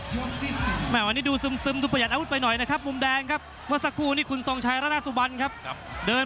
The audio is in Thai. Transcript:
แหมวะอันนี้ดูซุมซุมดูพยายามอาวุธไปหน่อยนะครับ